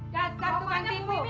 jasdak tuan timu